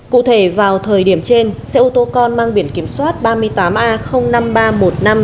cụ thể vào thời điểm trên xe ô tô con mang biển kiểm soát ba mươi tám a năm nghìn ba trăm một mươi năm